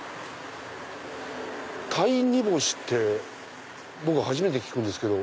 鯛煮干しって僕初めて聞くんですけど。